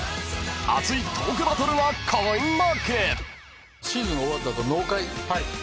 ［熱いトークバトルが開幕］